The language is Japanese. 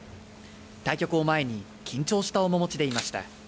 対局を前に緊張した面持ちでいました。